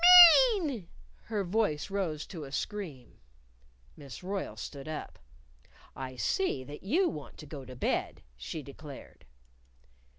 mean!" Her voice rose to a scream. Miss Royle stood up. "I see that you want to go to bed," she declared.